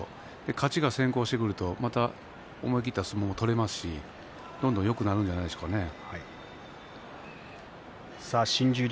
勝ちが先行してくると思い切った相撲も取れますしどんどんよくなるでしょうね。